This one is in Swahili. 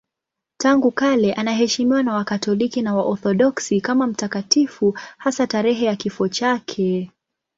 Tangu kale anaheshimiwa na Wakatoliki na Waorthodoksi kama mtakatifu, hasa tarehe ya kifo chake.